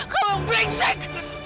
kamu yang brengsek